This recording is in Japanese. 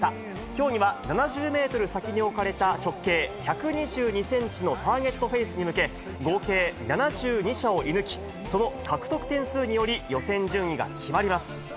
競技は７０メートル先に置かれた直径１２２センチのターゲットフェイスに向け、合計７２射を射ぬき、その獲得点数により、予選順位が決まります。